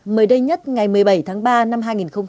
mới đây nhất ngày một mươi bảy tháng ba năm hai nghìn một mươi chín